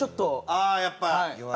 ああやっぱ。